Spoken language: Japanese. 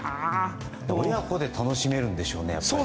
親子で楽しめるんでしょうね。